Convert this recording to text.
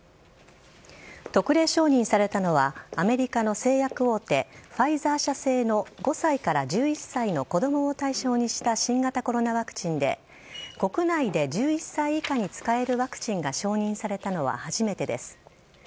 特例承認されたのはアメリカの製薬大手ファイザー社製の５歳から１１歳の子供を対象にした新型コロナワクチンで国内で１１歳以下に使えるワクチンが承認されたのは初めてです。